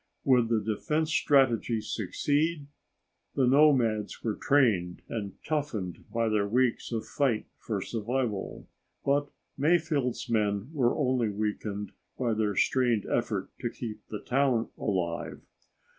Would the defense strategy succeed? The nomads were trained and toughened by their weeks of fight for survival, but Mayfield's men were only weakened by their strained effort to keep the town alive.